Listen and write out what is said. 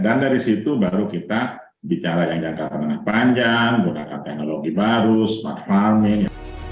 dan dari situ baru kita bicara yang jarak panjang menggunakan teknologi baru smart farming